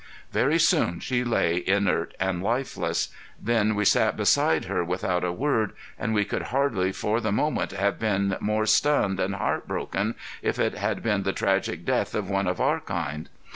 Very soon she lay inert and lifeless. Then we sat beside her without a word, and we could hardly for the moment have been more stunned and heartbroken if it had been the tragic death of one of our kind.